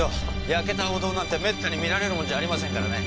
焼けたお堂なんて滅多に見られるもんじゃありませんからね。